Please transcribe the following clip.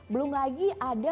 belum lagi ada